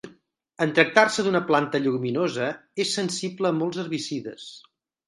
En tractar-se d'una planta lleguminosa és sensible a molts herbicides.